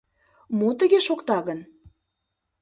Мо тыге шокта гын?